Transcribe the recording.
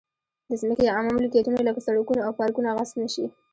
د ځمکې یا عامه ملکیتونو لکه سړکونه او پارکونه غصب نه شي.